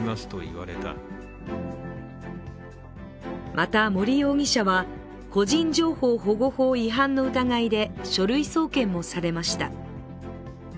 また、森容疑者は個人情報保護法違反の疑いで書類送検もされました。